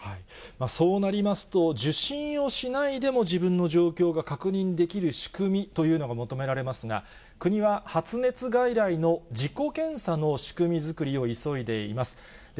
そうなりますと、受診をしないでも、自分の状況が確認できる仕組みというのが求められますが、国は発熱外来の自己検査の仕組み作りを急いでいます。